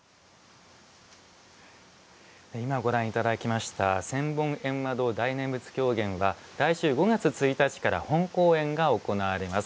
今、ご覧いただきました「千本ゑんま堂大念佛狂言」は来週５月１日から本公演が行われます。